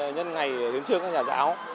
nhân ngày hiếm trương các nhà giáo